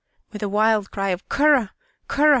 With a wild cry of " Kurru! Kurru!